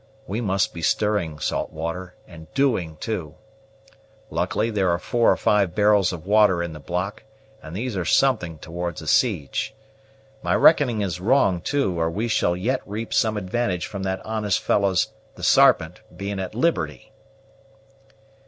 We must be stirring, Saltwater, and doing too. Luckily there are four or five barrels of water in the block, and these are something towards a siege. My reckoning is wrong, too, or we shall yet reap some advantage from that honest fellow's, the Sarpent, being at liberty."